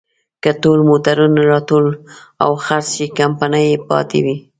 که ټول موټرونه راټول او خرڅ شي، کمپنۍ پاتې وي.